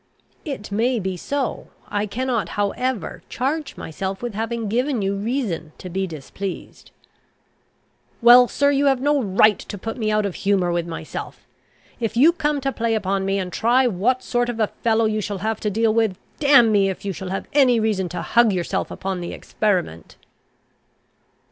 "It may be so. I cannot, however, charge myself with having given you reason to be displeased." "Well, sir, you have no right to put me out of humour with myself. If you come to play upon me, and try what sort of a fellow you shall have to deal with, damn me if you shall have any reason to hug yourself upon the experiment."